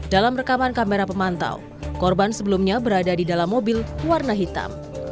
dalam rekaman kamera pemantau korban sebelumnya berada di dalam mobil warna hitam